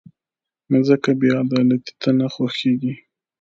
مځکه بېعدالتۍ ته نه خوښېږي.